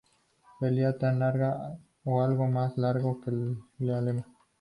Pálea tan larga o algo más larga que la lema.